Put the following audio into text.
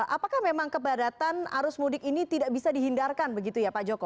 apakah memang kebadatan arus mudik ini tidak bisa dihindarkan begitu ya pak joko